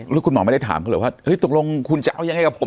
แล้วคุณหมอไม่ได้ถามเขาเหรอว่าตกลงคุณจะเอายังไงกับผม